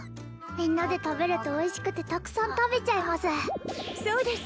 みんなで食べるとおいしくてたくさん食べちゃいますそうです